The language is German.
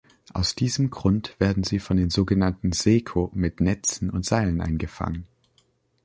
Aus diesem Grund werden sie von den sogenannten Seko mit Netzen und Seilen eingefangen.